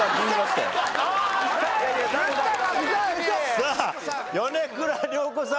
さあ米倉涼子さん